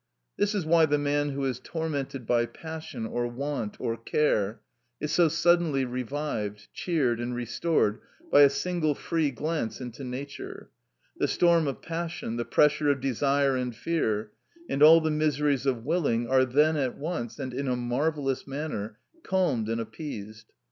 This is why the man who is tormented by passion, or want, or care, is so suddenly revived, cheered, and restored by a single free glance into nature: the storm of passion, the pressure of desire and fear, and all the miseries of willing are then at once, and in a marvellous manner, calmed and appeased.